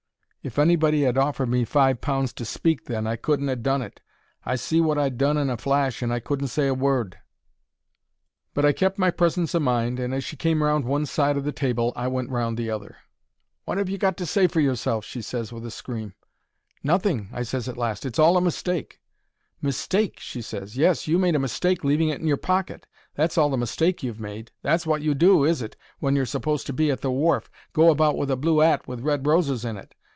If anybody 'ad offered me five pounds to speak then, I couldn't ha' done it. I see wot I'd done in a flash, and I couldn't say a word; but I kept my presence o' mind, and as she came round one side o' the table I went round the other. "Wot 'ave you got to say for yourself?" she ses, with a scream. "Nothing," I ses, at last. "It's all a mistake." "Mistake?" she ses. "Yes, you made a mistake leaving it in your pocket; that's all the mistake you've made. That's wot you do, is it, when you're supposed to be at the wharf? Go about with a blue 'at with red roses in it!